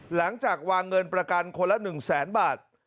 หลังจากวางเงินประกันคนละ๑แสนบาท